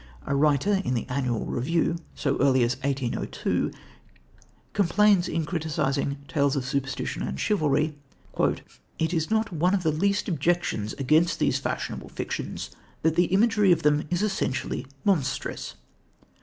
A writer in the Annual Review, so early as 1802, complains in criticising Tales of Superstition and Chivalry: "It is not one of the least objections against these fashionable fictions that the imagery of them is essentially monstrous.